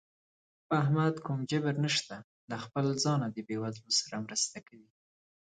په احمد کوم جبر نشته، له خپله ځانه د بېوزلو سره مرسته کوي.